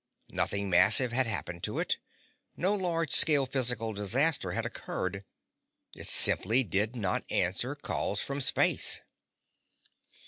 Nothing massive had happened to it. No large scale physical disaster had occurred. It simply did not answer calls from space.